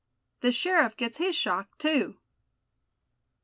THE SHERIFF GETS HIS SHOCK, TOO.